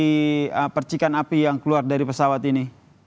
dari percikan api yang keluar dari pesawat ini